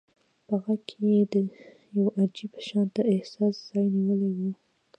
په غږ کې يې يو عجيب شانته احساس ځای نيولی و.